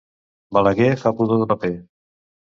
Balaguer fa pudor de paper.